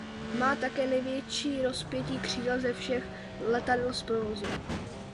Má také největší rozpětí křídel z všech letadel v provozu.